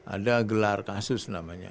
ada gelar kasus namanya